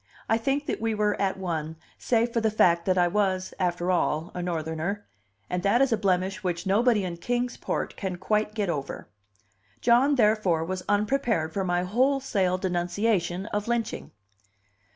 I think that we were at one, save for the fact that I was, after all, a Northerner and that is a blemish which nobody in Kings Port can quite get over. John, therefore, was unprepared for my wholesale denunciation of lynching.